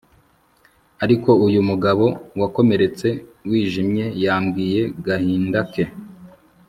ariko uyu mugabo wakomeretse wijimye yambwiye gahinda ke